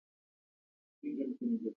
اکثره مقالې په انګلیسي ژبه خپریږي.